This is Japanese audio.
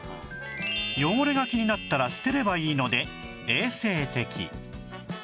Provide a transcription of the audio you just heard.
汚れが気になったら捨てればいいので衛生的